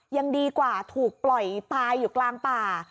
ยังดีกว่าถูกปล่อยตายอยู่กลางป่า